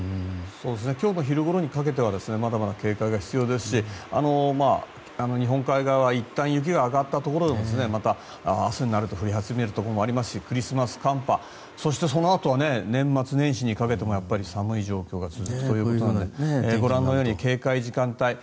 今日の昼ごろにかけてはまだまだ警戒が必要ですし日本海側はいったん雪が上がったところでまた明日になると降り始めるところもありますしクリスマス寒波そしてそのあとは年末年始にかけてもやっぱり寒い状況が続くということなのでご覧のように警戒時間帯